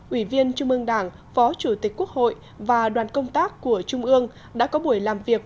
ủy viên trung ương đảng phó chủ tịch quốc hội và đoàn công tác của trung ương đã có buổi làm việc